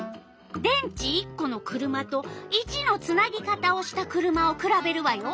電池１この車と①のつなぎ方をした車をくらべるわよ。